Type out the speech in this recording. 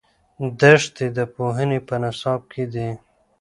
دښتې د پوهنې په نصاب کې دي.